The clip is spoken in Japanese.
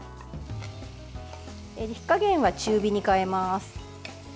火加減は中火に変えます。